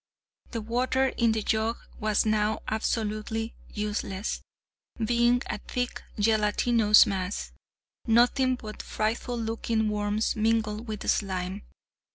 The water in the jug was now absolutely useless, being a thick gelatinous mass; nothing but frightful looking worms mingled with slime.